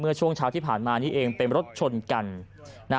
ช่วงเช้าที่ผ่านมานี่เองเป็นรถชนกันนะ